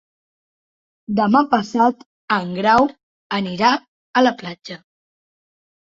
Demà passat en Grau anirà a la platja.